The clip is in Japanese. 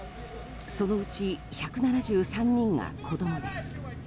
そのうち１７３人が子供です。